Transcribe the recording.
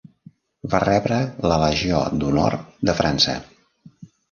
Va rebre la Legió d'Honor de França.